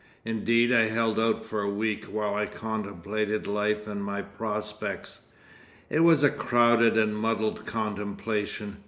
Indeed, I held out for a week while I contemplated life and my prospects. It was a crowded and muddled contemplation.